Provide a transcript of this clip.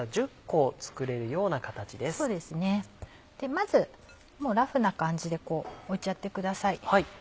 まずラフな感じで置いちゃってください。